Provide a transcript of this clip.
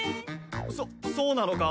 そそうなのか？